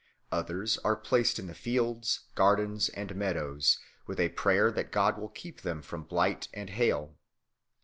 Others are placed in the fields, gardens, and meadows, with a prayer that God will keep them from blight and hail.